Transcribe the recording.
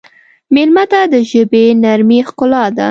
مېلمه ته د ژبې نرمي ښکلا ده.